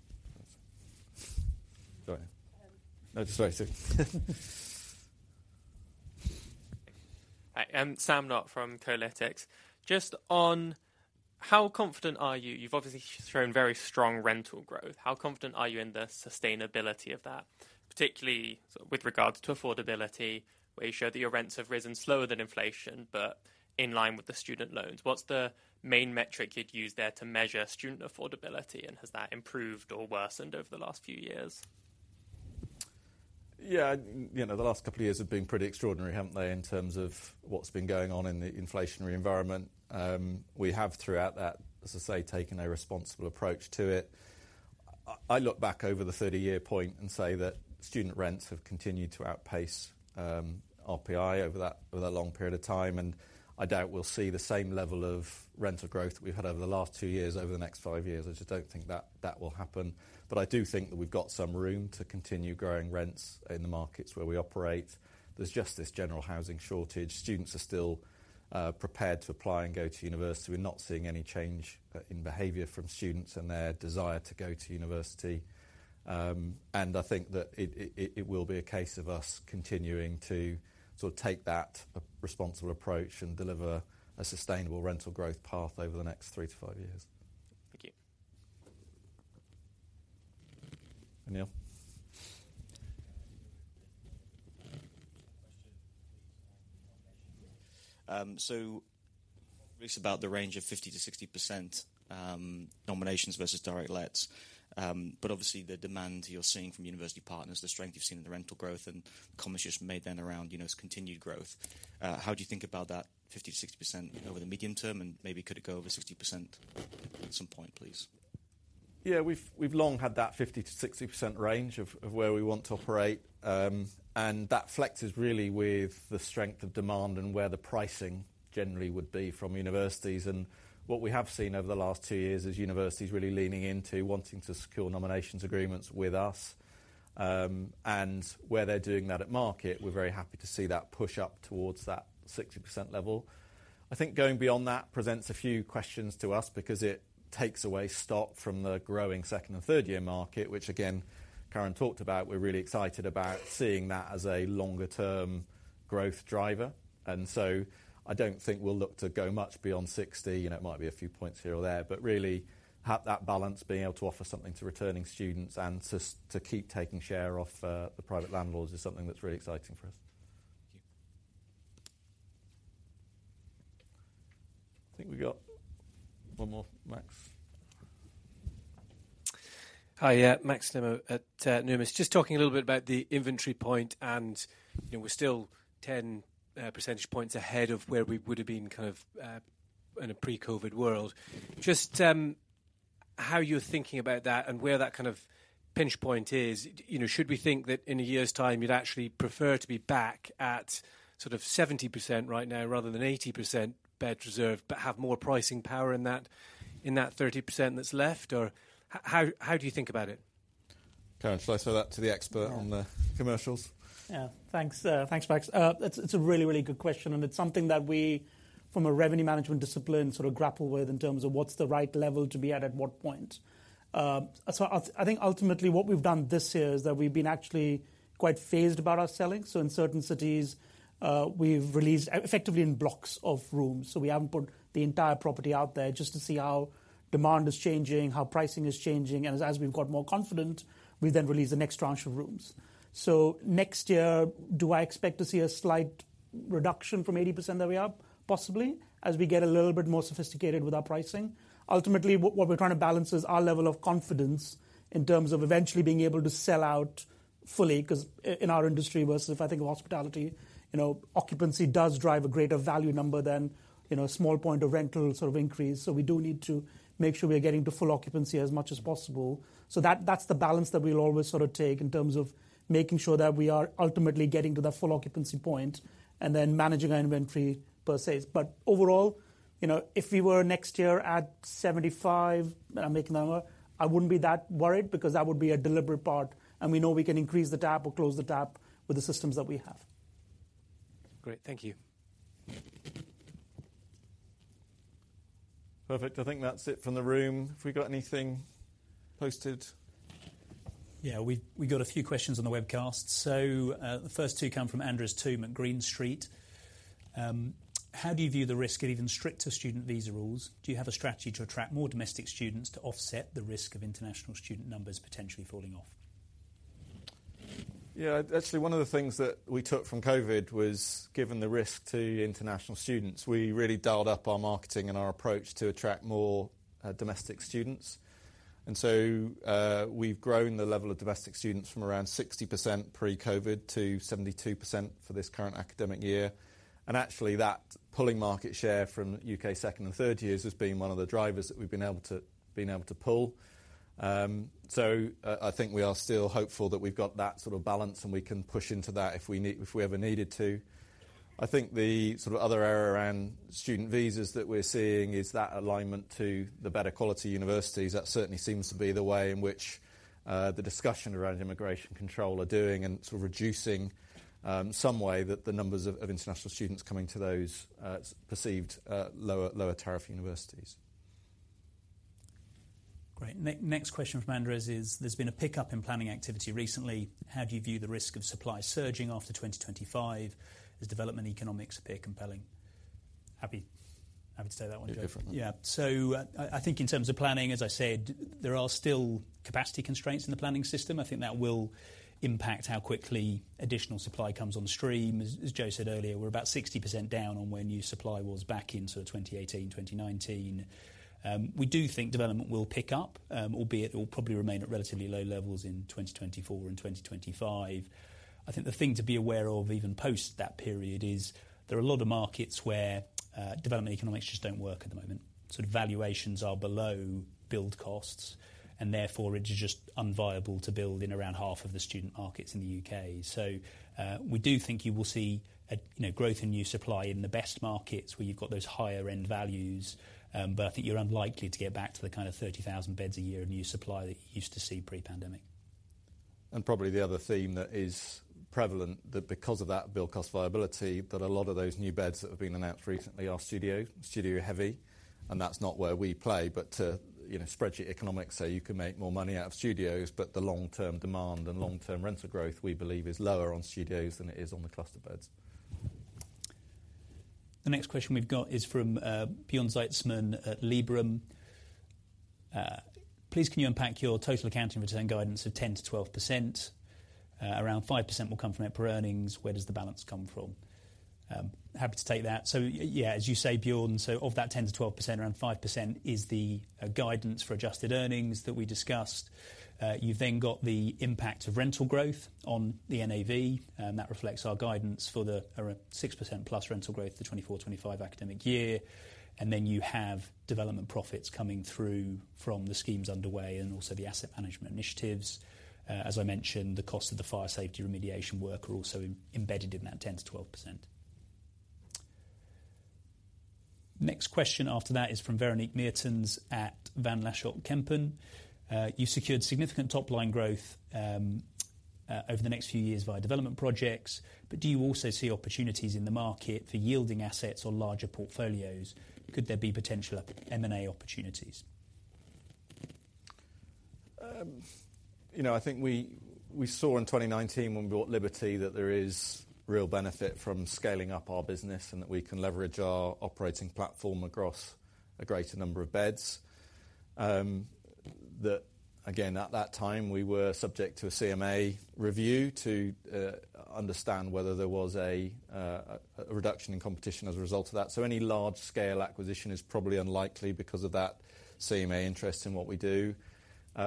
S2: Go ahead. No, just very soon.
S5: Hi. I'm Sam Knott from Kolytics. Just on how confident are you? You've obviously shown very strong rental growth. How confident are you in the sustainability of that, particularly with regards to affordability, where you show that your rents have risen slower than inflation but in line with the student loans? What's the main metric you'd use there to measure student affordability? And has that improved or worsened over the last few years?
S1: Yeah. You know, the last couple of years have been pretty extraordinary, haven't they, in terms of what's been going on in the inflationary environment? We have, throughout that, as I say, taken a responsible approach to it. I look back over the 30-year point and say that student rents have continued to outpace RPI over that over that long period of time. I doubt we'll see the same level of rental growth we've had over the last 2 years over the next 5 years. I just don't think that that will happen. I do think that we've got some room to continue growing rents in the markets where we operate. There's just this general housing shortage. Students are still prepared to apply and go to university. We're not seeing any change in behavior from students and their desire to go to university. I think that it will be a case of us continuing to sort of take that responsible approach and deliver a sustainable rental growth path over the next 3 years-5 years.
S6: Thank you. Obviously about the range of 50%-60%, nominations versus direct lets.
S7: But obviously, the demand you're seeing from university partners, the strength you've seen in the rental growth, and the comments you just made then around, you know, this continued growth. How do you think about that 50%-60% over the medium term? And maybe could it go over 60% at some point, please?
S1: Yeah. We've long had that 50%-60% range of where we want to operate. And that flexes really with the strength of demand and where the pricing generally would be from universities. And what we have seen over the last two years is universities really leaning into wanting to secure nominations agreements with us. And where they're doing that at market, we're very happy to see that push up towards that 60% level. I think going beyond that presents a few questions to us because it takes away stock from the growing second and third-year market, which, again, Karan talked about. We're really excited about seeing that as a longer-term growth driver. And so I don't think we'll look to go much beyond 60. You know, it might be a few points here or there. But really, that balance, being able to offer something to returning students and to keep taking share off the private landlords is something that's really exciting for us. Thank you. I think we've got one more. Max?
S8: Hi. Max Nimmo at Numis. Just talking a little bit about the inventory point. And, you know, we're still 10 percentage points ahead of where we would have been kind of in a pre-COVID world. Just how you're thinking about that and where that kind of pinch point is. You know, should we think that in a year's time, you'd actually prefer to be back at sort of 70% right now rather than 80% bed reserved but have more pricing power in that in that 30% that's left? Or how do you think about it?
S1: Karan, shall I throw that to the expert on the commercials?
S3: Yeah. Thanks, Max. It's a really, really good question. And it's something that we, from a revenue management discipline, sort of grapple with in terms of what's the right level to be at at what point. So I think ultimately, what we've done this year is that we've been actually quite phased about our selling. So in certain cities, we've released effectively in blocks of rooms. So we haven't put the entire property out there just to see how demand is changing, how pricing is changing. As we've got more confident, we then release the next tranche of rooms. So next year, do I expect to see a slight reduction from 80% that we are possibly as we get a little bit more sophisticated with our pricing? Ultimately, what we're trying to balance is our level of confidence in terms of eventually being able to sell out fully because in our industry versus if I think of hospitality, you know, occupancy does drive a greater value number than, you know, a small point of rental sort of increase. So we do need to make sure we are getting to full occupancy as much as possible. So that's the balance that we'll always sort of take in terms of making sure that we are ultimately getting to that full occupancy point and then managing our inventory, per se. But overall, you know, if we were next year at 75, and I'm making that number, I wouldn't be that worried because that would be a deliberate part. And we know we can increase the tap or close the tap with the systems that we have.
S8: Great. Thank you.
S1: Perfect. I think that's it from the room. Have we got anything posted?
S2: Yeah. We got a few questions on the webcast. So, the first two come from Andres Toome at Green Street. How do you view the risk at even stricter student visa rules? Do you have a strategy to attract more domestic students to offset the risk of international student numbers potentially falling off?
S1: Yeah. Actually, one of the things that we took from COVID was given the risk to international students, we really dialed up our marketing and our approach to attract more, domestic students. And so, we've grown the level of domestic students from around 60% pre-COVID to 72% for this current academic year. And actually, that pulling market share from UK second and third years has been one of the drivers that we've been able to pull. So I think we are still hopeful that we've got that sort of balance. And we can push into that if we ever needed to. I think the sort of other area around student visas that we're seeing is that alignment to the better quality universities. That certainly seems to be the way in which the discussion around immigration control are doing and sort of reducing some way the numbers of international students coming to those perceived lower tariff universities.
S2: Great. Next question from Andrews is, there's been a pickup in planning activity recently.
S1: How do you view the risk of supply surging after 2025 as development economics appear compelling? Happy happy to take that one, Joe. Yeah. So I think in terms of planning, as I said, there are still capacity constraints in the planning system. I think that will impact how quickly additional supply comes on stream. As Joe said earlier, we're about 60% down on when new supply was back in sort of 2018, 2019. We do think development will pick up, albeit it will probably remain at relatively low levels in 2024 and 2025. I think the thing to be aware of even post that period is there are a lot of markets where, development economics just don't work at the moment. Sort of valuations are below build costs. And therefore, it's just unviable to build in around half of the student markets in the UK. So, we do think you will see a, you know, growth in new supply in the best markets where you've got those higher-end values. But I think you're unlikely to get back to the kind of 30,000 beds a year of new supply that you used to see pre-pandemic. And probably the other theme that is prevalent that because of that build cost viability, that a lot of those new beds that have been announced recently are studio studio heavy. And that's not where we play. But to, you know, spread your economics so you can make more money out of studios. But the long-term demand and long-term rental growth, we believe, is lower on studios than it is on the cluster beds.
S2: The next question we've got is from Bjorn Zietsman at Liberum. Please, can you unpack your Total Accounting Return guidance of 10%-12%? Around 5% will come from per earnings. Where does the balance come from? Happy to take that. So yeah, as you say, Bjorn, so of that 10%-12%, around 5% is the guidance for adjusted earnings that we discussed. You've then got the impact of rental growth on the NAV. That reflects our guidance for the around 6%+ rental growth for the 2024/2025 academic year. And then you have development profits coming through from the schemes underway and also the asset management initiatives. As I mentioned, the cost of the fire safety remediation work are also embedded in that 10%-12%. Next question after that is from Véronique Meertens at Van Lanschot Kempen. You've secured significant top-line growth, over the next few years via development projects. But do you also see opportunities in the market for yielding assets or larger portfolios? Could there be potential M&A opportunities?
S1: You know, I think we saw in 2019 when we bought Liberty that there is real benefit from scaling up our business and that we can leverage our operating platform across a greater number of beds. That again, at that time, we were subject to a CMA review to understand whether there was a reduction in competition as a result of that. So any large-scale acquisition is probably unlikely because of that CMA interest in what we do. You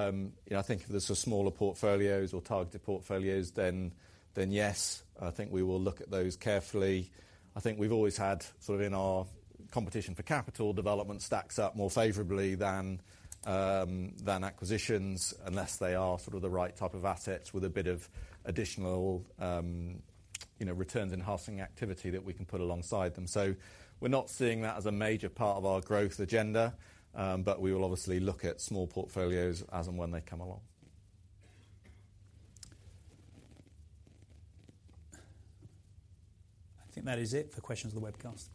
S1: know, I think if there's smaller portfolios or targeted portfolios, then yes, I think we will look at those carefully. I think we've always had sort of in our competition for capital, development stacks up more favorably than acquisitions unless they are sort of the right type of assets with a bit of additional, you know, returns enhancing activity that we can put alongside them. So we're not seeing that as a major part of our growth agenda. But we will obviously look at small portfolios as and when they come along.
S2: I think that is it for questions of the webcast.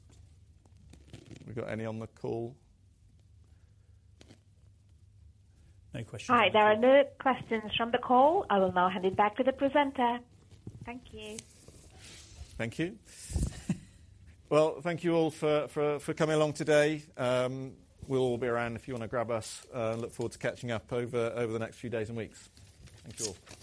S1: We've got any on the call? No questions.
S9: Hi. There are no questions from the call. I will now hand it back to the presenter. Thank you.
S1: Thank you. Well, thank you all for coming along today. We'll all be around if you want to grab us. Look forward to catching up over the next few days and weeks. Thank you all.